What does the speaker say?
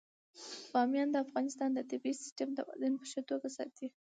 بامیان د افغانستان د طبعي سیسټم توازن په ښه توګه ساتي.